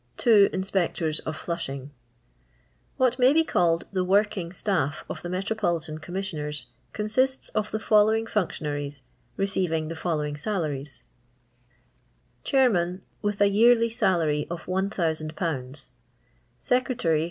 t Inapectonof Fliwioi*. What may be called the working staff of the Metropolitan Commissioners consists of the follow ing functionaries, receiving the following salaries: — Chairman, with a yearly Miliary of 1,C*00 Secret ftry.